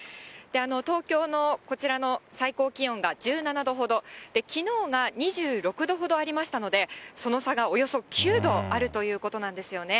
東京のこちらの最高気温が１７度ほど、きのうが２６度ほどありましたので、その差がおよそ９度あるということなんですよね。